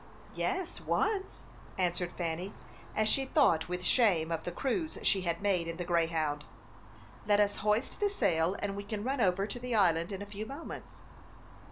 "Yes, once," answered Fanny, and she thought with shame of the cruise she had made in the Greyhound. "Let us hoist the sail, and we can run over to the island in a few moments."